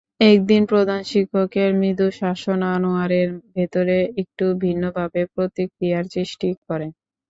একদিন প্রধান শিক্ষকের মৃদু শাসন আনোয়ারের ভেতরে একটু ভিন্নভাবে প্রতিক্রিয়ার সৃষ্টি করে।